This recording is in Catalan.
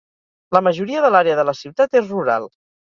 La majoria de l'àrea de la ciutat és rural.